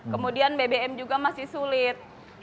kemudian bbm juga masih sulit